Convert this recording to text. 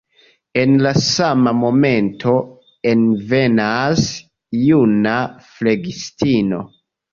En la sama momento envenas juna flegistino.